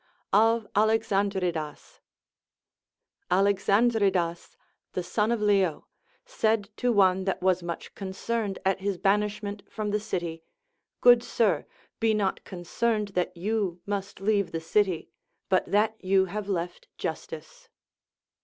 Of Alexandridas. Alexandridas, the son of Leo, said to one that was much concerned at his banishment from the city, Good sir, be not concerned that you must leave the city, but that you have left justice.